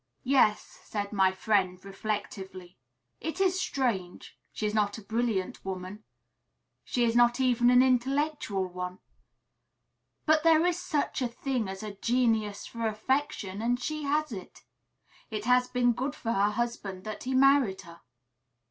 "Yes," said my friend, reflectively; "it is strange. She is not a brilliant woman; she is not even an intellectual one; but there is such a thing as a genius for affection, and she has it. It has been good for her husband that he married her."